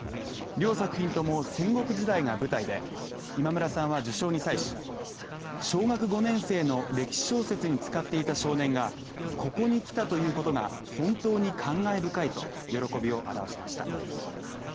両作品とも戦国時代が舞台で、今村さんは、受賞に際し、小学５年生の歴史小説に浸かっていた少年がここにきたというのが本当に感慨深いと喜びを表しました。